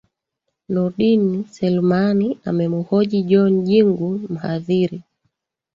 nurdin selumani amemuhoji john jingu mhadhiri